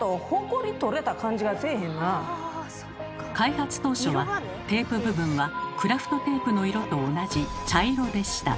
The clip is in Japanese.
開発当初はテープ部分はクラフトテープの色と同じ茶色でした。